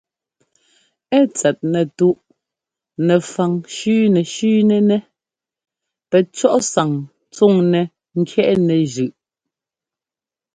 Ɛ tsɛt nɛtúꞌ nɛfaŋ shʉ́nɛshʉ́nɛnɛ́ pɛcɔ́ꞌ sáŋ tsúŋnɛ́ ŋ́kyɛ́ꞌnɛ zʉꞌ.